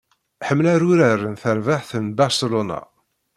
Ḥemmleɣ urar n terbaɛt n Barcelona.